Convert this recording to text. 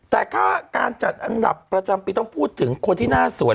แต่ถ้าการจัดอันดับประจำปีต้องพูดถึงคนที่หน้าสวย